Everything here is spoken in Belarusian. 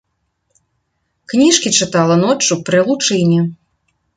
Кніжкі чытала ноччу пры лучыне.